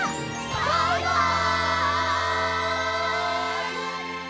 バイバイ！